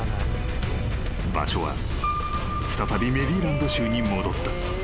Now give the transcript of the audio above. ［場所は再びメリーランド州に戻った］